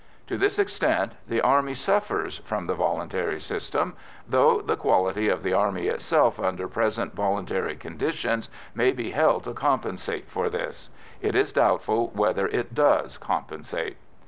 To this extent the Army suffers from the voluntary system, though the quality of the Army itself under present voluntary conditions may be held to compensate for this. It is doubtful whether it does compensate.